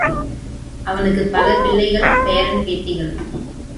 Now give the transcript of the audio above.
அவனுக்குப் பல பிள்ளைகள், பேரன் பேத்திகள்.